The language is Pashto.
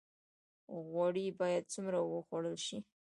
غوړي باید څومره وخوړل شي؟